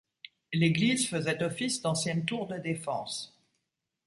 L'église faisait office d'ancienne tour de défense.